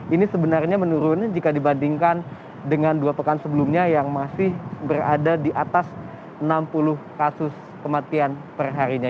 ini sebenarnya menurun jika dibandingkan dengan dua pekan sebelumnya yang masih berada di atas enam puluh kasus kematian perharinya